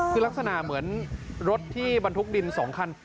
คือลักษณะเหมือนรถที่บรรทุกดิน๒คัน